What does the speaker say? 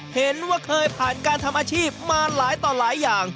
เห็นว่าเคยผ่านการทำอาชีพมาหลายต่อหลายอย่าง